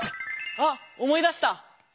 あっ思い出した！